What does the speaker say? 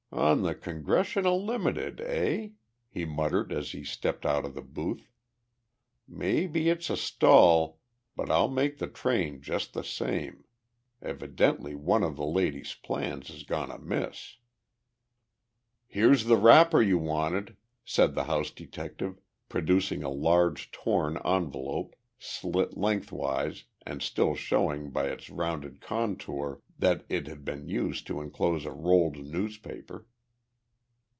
"On the Congressional Limited, eh?" he muttered as he stepped out of the booth. "Maybe it's a stall, but I'll make the train just the same. Evidently one of the lady's plans has gone amiss." "Here's the wrapper you wanted," said the house detective, producing a large torn envelope, slit lengthwise and still showing by its rounded contour that it had been used to inclose a rolled newspaper.